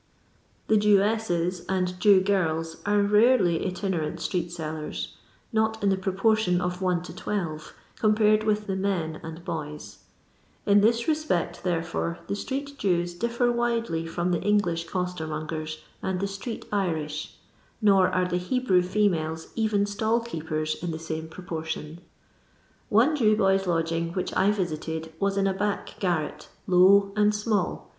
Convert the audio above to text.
Tlic Jewesses and Jew girls are rarely itinerant stre^ttclleri— not in the pro portion of one to twelve, c.imiiared with the men and boys; in this respect therefore the street Jews difllur widely from the ICni^lish cMtermongers and the street Irish, nor are the Hebrew femaJes even stall keepers in the same proportion. One Jew boy's lod^^ing which I visited was in a back garret, low and small.